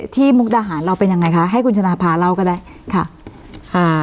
มุกดาหารเราเป็นยังไงคะให้คุณชนะพาเล่าก็ได้ค่ะอ่า